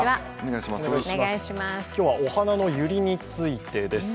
今日はお花のユリについてです。